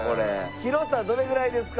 広さどれぐらいですか？